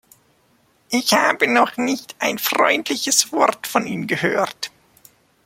Ich habe noch nicht ein freundliches Wort von ihm gehört.